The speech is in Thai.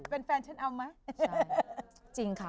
เป็นแฟนฉันเอาไหม